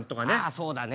そうだね。